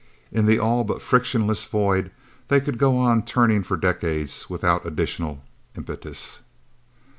In the all but frictionless void, they could go on turning for decades, without additional impetus.